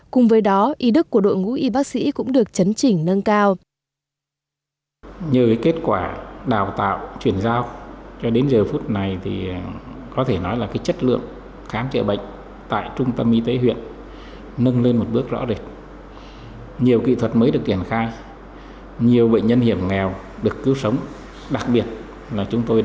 cùng với đó ý đức của đội ngũ y bác sĩ cũng được chấn chỉnh nâng cao